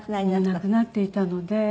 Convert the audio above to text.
亡くなっていたので。